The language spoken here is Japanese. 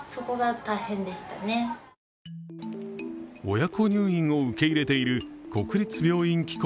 親子入院を受け入れている国立病院機構